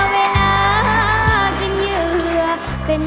สมาธิพร้อม